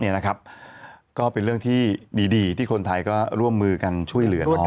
ก็เป็นเรื่องที่ดีที่คนไทยก็ร่วมมือกันช่วยเหลือน้อง